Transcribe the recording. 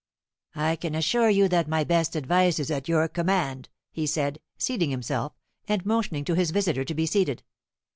"I can assure you that my best advice is at your command," he said, seating himself, and motioning to his visitor to be seated.